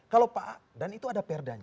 kalau pak dan itu ada perdanya